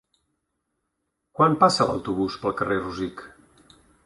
Quan passa l'autobús pel carrer Rosic?